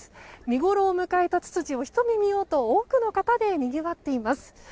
見ごろを迎えたツツジをひと目見ようと多くの方でにぎわっています。